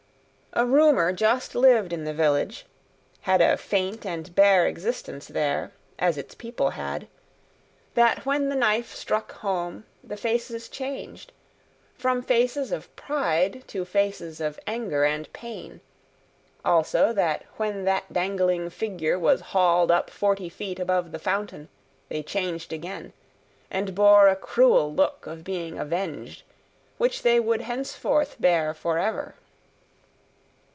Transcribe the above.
A rumour just lived in the village had a faint and bare existence there, as its people had that when the knife struck home, the faces changed, from faces of pride to faces of anger and pain; also, that when that dangling figure was hauled up forty feet above the fountain, they changed again, and bore a cruel look of being avenged, which they would henceforth bear for ever.